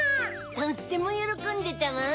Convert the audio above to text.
とってもよろこんでたわ。